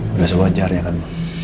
sudah sewajarnya kan